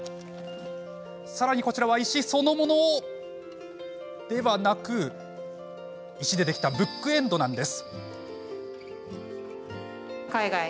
さらに、こちらは石そのものではなく石でできたブックエンドなんです。